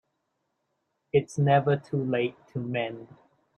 It's never too late to mend